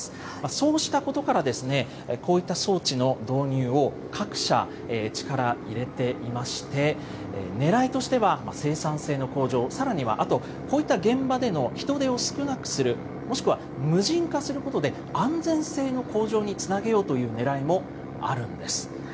そうしたことから、こういった装置の導入を各社、力入れていまして、ねらいとしては、生産性の向上、さらにはあとこういった現場での人手を少なくする、もしくは無人化することで、安全性の向上につなげようというねらいもあるんです。